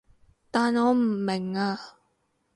但我唔明啊